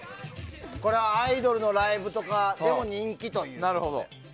アイドルのライブとかでも人気ということです。